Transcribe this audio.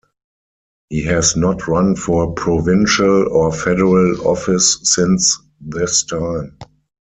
He has not run for provincial or federal office since this time.